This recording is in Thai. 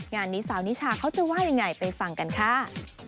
งานนี้สาวนิชาเขาจะว่ายังไงไปฟังกันค่ะ